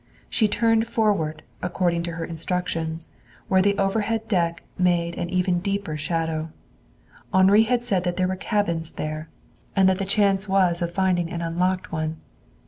She turned forward, according to her instructions, where the overhead deck made below an even deeper shadow. Henri had said that there were cabins there, and that the chance was of finding an unlocked one.